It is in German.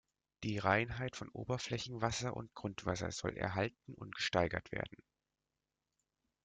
Die Reinheit von Oberflächenwasser und Grundwasser soll erhalten und gesteigert werden.